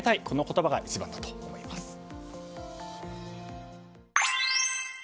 この言葉が一番だと思います。